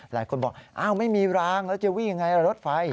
หลายคนบอกไม่มีรางแล้วจะวิ่งอย่างไรละรถไฟ